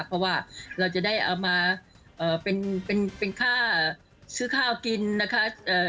เพราะว่าเราจะได้เอามาเอ่อเป็นเป็นค่าซื้อข้าวกินนะคะ